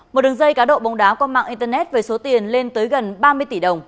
một đường dây cá độ bóng đá qua mạng internet với số tiền lên tới gần ba mươi tỷ đồng